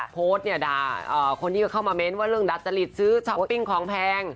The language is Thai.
โพสต์เนี่ยด่าคนที่เข้ามาเน้นว่าเรื่องดัจจริตซื้อช้อปปิ้งของแพง